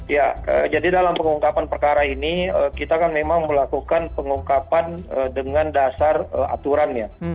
ya jadi dalam pengungkapan perkara ini kita kan memang melakukan pengungkapan dengan dasar aturannya